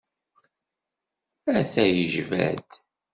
A-t-a yejba-d.